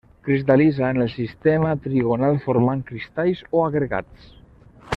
Cristal·litza en el sistema trigonal formant cristalls o agregats.